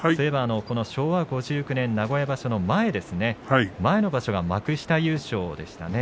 昭和５９年、名古屋場所の前前の場所が幕下優勝でしたね。